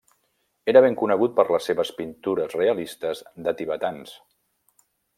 Era ben conegut per les seves pintures realistes de tibetans.